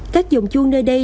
các dòng chuông nơi đây